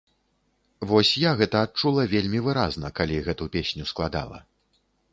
Вось я гэта адчула вельмі выразна, калі гэту песню складала.